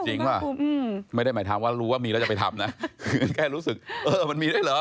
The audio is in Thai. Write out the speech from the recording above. จริงป่ะไม่ได้หมายความว่ารู้ว่ามีแล้วจะไปทำนะคือแค่รู้สึกเออมันมีด้วยเหรอ